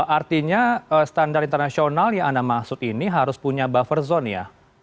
artinya standar internasional yang anda maksud ini harus punya buffer zone ya